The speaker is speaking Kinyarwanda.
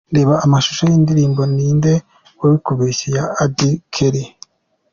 Reba amashusho y'indirimbo Ninde wabikubeshye ya Auddy Kelly.